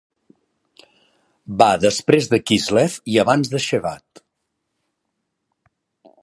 Va després de Kislev i abans de Shevat.